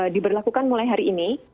diberlakukan mulai hari ini